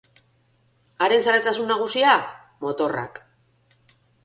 Haren zaletasun nagusia, motorrak.